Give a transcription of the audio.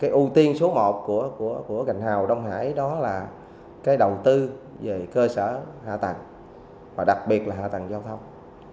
cái ưu tiên số một của cành hào đông hải đó là cái đầu tư về cơ sở hạ tầng và đặc biệt là hạ tầng giao thông